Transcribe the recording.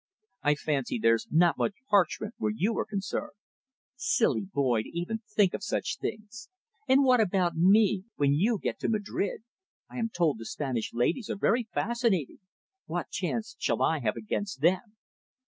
"I fancy there's not much parchment where you are concerned." "Silly boy, to even think of such things. And what about me, when you get to Madrid? I am told the Spanish ladies are very fascinating. What chance shall I have against them."